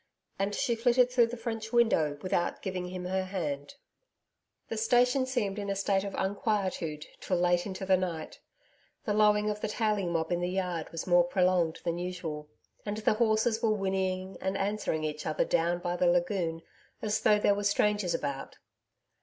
And she flitted through the French window without giving him her hand. The station seemed in a state of unquietude till late into the night. The lowing of the tailing mob in the yard was more prolonged than usual. And the horses were whinnying and answering each other down by the lagoon as though there were strangers about.